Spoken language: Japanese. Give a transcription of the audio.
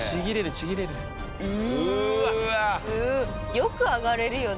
よく上がれるよな。